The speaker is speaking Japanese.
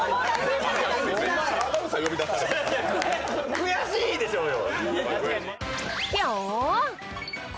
悔しいでしょうよ。